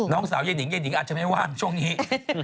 น้องสาวยายนิงยายนิงอาจจะไม่ว่างช่วงนี้